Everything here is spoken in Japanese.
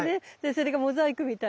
それがモザイクみたいでね